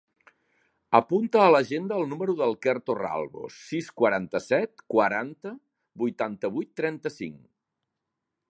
Apunta a l'agenda el número del Quer Torralbo: sis, quaranta-set, quaranta, vuitanta-vuit, trenta-cinc.